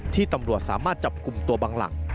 ที่ตำรวจสามารถจับกลุ่มตัวบังหลัง